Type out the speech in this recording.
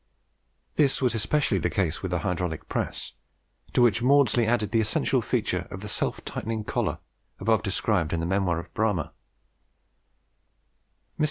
This was especially the case with the hydraulic press; to which Maudslay added the essential feature of the self tightening collar, above described in the memoir of Bramah. Mr.